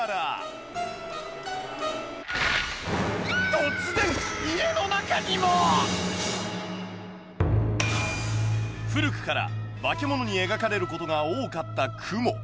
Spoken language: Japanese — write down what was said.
突然家の中にも！古くから化け物に描かれることが多かったクモ。